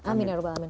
amin ya ruba'alamin